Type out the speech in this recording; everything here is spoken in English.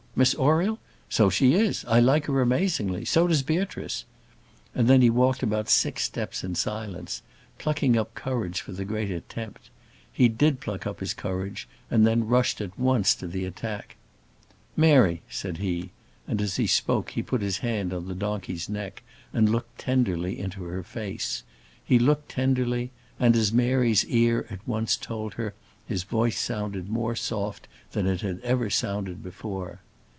Miss Oriel? So she is! I like her amazingly; so does Beatrice." And then he walked about six steps in silence, plucking up courage for the great attempt. He did pluck up his courage and then rushed at once to the attack. "Mary!" said he, and as he spoke he put his hand on the donkey's neck, and looked tenderly into her face. He looked tenderly, and, as Mary's ear at once told her, his voice sounded more soft than it had ever sounded before.